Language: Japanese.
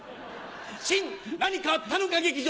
「新何かあったのか劇場」